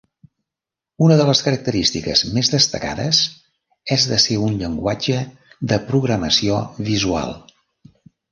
Una de les característiques més destacades és de ser un llenguatge de programació visual.